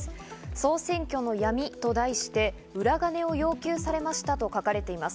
総選挙の闇と題して裏金を要求されましたと書かれています。